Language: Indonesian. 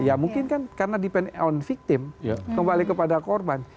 ya mungkin kan karena bergantung pada viktim kembali kepada korban